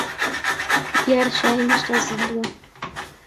دیارە شاھین هێشتا زیندووە.